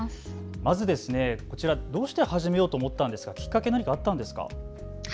まず、どうして始めようと思ったんですか、きっかけなどはあったんですか。